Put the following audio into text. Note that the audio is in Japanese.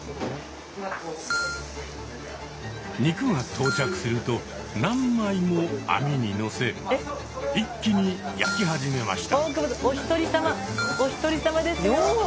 肉が到着すると何枚も網にのせ一気に焼き始めました。